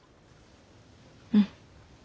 うん。